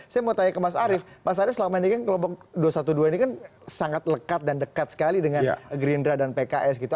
saya mau tanya ke mas arief mas arief selama ini kan kelompok dua ratus dua belas ini kan sangat lekat dan dekat sekali dengan gerindra dan pks gitu